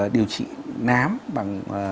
điều trị nám bằng